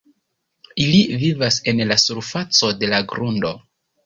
Ili vivas en la surfaco de la grundo.